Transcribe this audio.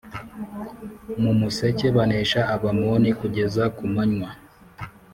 mu museke Banesha Abamoni kugeza ku manywa